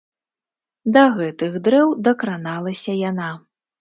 Да гэтых дрэў дакраналася яна.